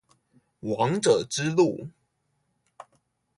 王者之路